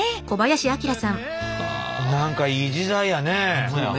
何かいい時代やね。